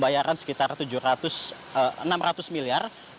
bayaran sekitar enam ratus miliar